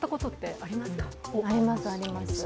あります、あります。